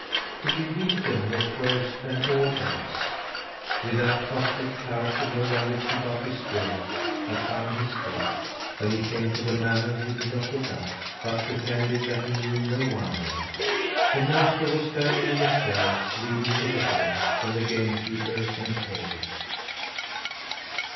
To be beaten was worse than all else! With that prospect Karr could no longer keep up his spirits, but hung his head. When he came to the manor he did not look up, but pretended that he knew no one there. The master was standing on the stairs leading to the hall when the game keeper came forward.